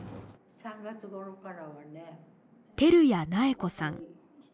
照屋苗子さん。